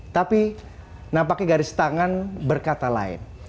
tapi nampaknya garis tangan berkata lain